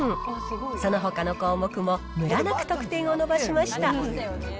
そのほかの項目もむらなく得点を伸ばしました。